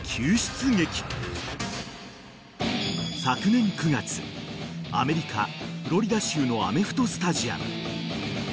［昨年９月アメリカフロリダ州のアメフトスタジアム］